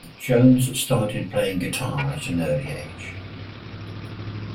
Jones started playing guitar at an early age.